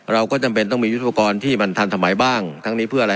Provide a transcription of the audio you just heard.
เราก็จำเป็นต้องมียุทธปกรณ์ที่มันทันสมัยบ้างทั้งนี้เพื่ออะไร